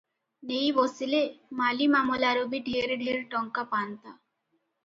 ନେଇ ବସିଲେ ମାଲିମାମଲାରୁ ବି ଢେର ଢେର ଟଙ୍କା ପାନ୍ତା ।